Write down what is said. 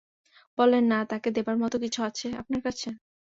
বললেন না তাকে দেবার মতো কিছু আছে আপনার কাছে?